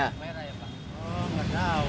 oh nggak tahu